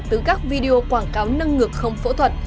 từ các video quảng cáo nâng ngực không phẫu thuật